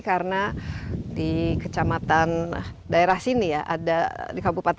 karena di kecamatan daerah sini di kabupaten baritokwala ada tujuh belas kecamatan